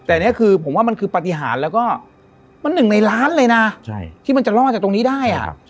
แต่อันนี้คือผมว่ามันคือปฏิหารแล้วก็มันหนึ่งในล้านเลยนะที่มันจะรอดจากตรงนี้ได้